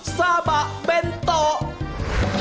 ๓ซาบะเป็นตก